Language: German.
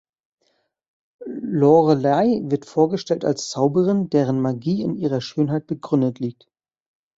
Lore Lay wird vorgestellt als Zauberin, deren Magie in ihrer Schönheit begründet liegt.